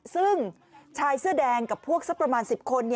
ซึ่งชายเสื้อแดงกับพวกสักประมาณ๑๐คน